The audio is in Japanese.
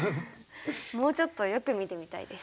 もうちょっとよく見てみたいです。